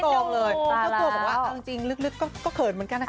ก็กลัวบอกว่าจริงลึกก็เขินเหมือนกันนะคะ